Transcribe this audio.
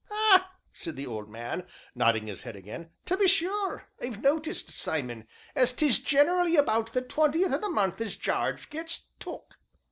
"Ah!" said the old man, nodding his head again, "to be sure, I've noticed, Simon, as 'tis generally about the twentieth o' the month as Jarge gets 'took.'"